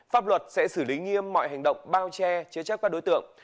pháp luật sẽ xử lý nghiêm mọi hành động bao che chế chấp các đối tượng